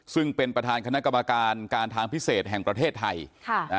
ซึ่งเป็นประธานคณะกรรมการการทางพิเศษแห่งประเทศไทยค่ะอ่า